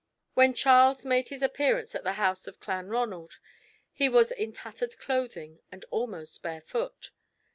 When Charles made his appearance at the house of Clanronald, he was in tattered clothing and almost barefoot.